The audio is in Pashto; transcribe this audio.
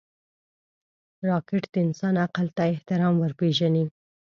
راکټ د انسان عقل ته احترام ورپېژني